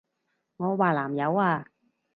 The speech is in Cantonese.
我話南柚啊！